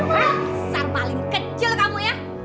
pasar paling kecil kamu ya